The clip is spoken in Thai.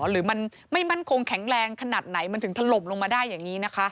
หรือมันไม่มั่นคงแข็งแรงขนาดไหนมันถึงถล่มลงมาได้อย่างนี้นะคะ